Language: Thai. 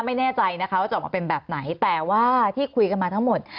ไม่แน่ใจนะคะว่าจะออกมาเป็นแบบไหนแต่ว่าที่คุยกันมาทั้งหมด